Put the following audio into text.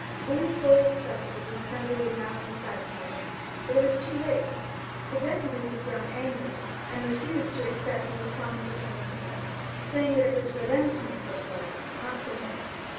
Louis ftdly expected that the Assembly would now be satisfied, but it was too late ; the deputies had grown angry, and refused to accept these promises from the king, saying that it was for them to make such laws, not for him.